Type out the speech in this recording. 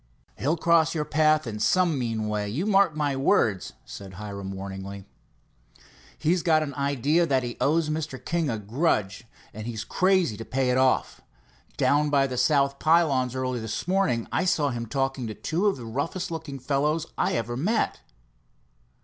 "He'll cross your path in some mean way, you mark my words," said Hiram warningly. "He's got an idea that he owes Mr. King a grudge, and he's crazy to pay it off. Down by the south pylons early this morning, I saw him talking to two of the roughest looking fellows I ever met.